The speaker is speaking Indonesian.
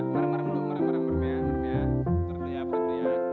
karena mas gak memiliki saya